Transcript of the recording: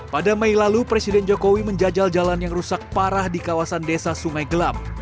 pada mei lalu presiden jokowi menjajal jalan yang rusak parah di kawasan desa sungai gelam